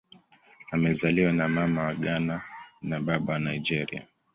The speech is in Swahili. Amezaliwa na Mama wa Ghana na Baba wa Nigeria.